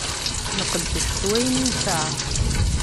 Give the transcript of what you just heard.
Nqeddec s wayen i nesɛa.